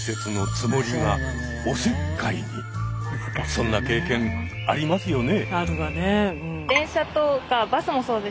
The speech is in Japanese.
そんな経験ありますよね？